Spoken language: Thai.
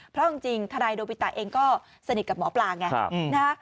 เพราะจริงทนายโดปิตะเองก็สนิทกับหมอปลาไงนะฮะ